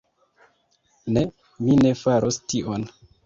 Ne, mi ne faros tion.